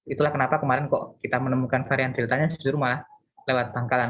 itulah kenapa kemarin kok kita menemukan varian deltanya justru malah lewat bangkalan